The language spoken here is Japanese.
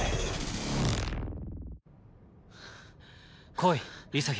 来い潔。